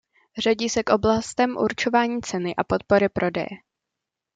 Řadí se k oblastem určování ceny a podpory prodeje.